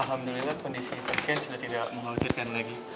alhamdulillah kondisi pasien sudah tidak menghancurkan lagi